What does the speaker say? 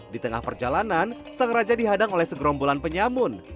di tengah perjalanan sang raja dihadang oleh segerombolan penyamun